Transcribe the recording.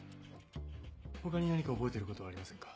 他に何か覚えてることありませんか？